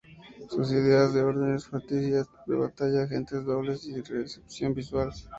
Sus ideas de: órdenes ficticias de Batalla, agentes dobles y decepción visual.